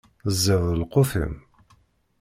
Ẓid lqut-im.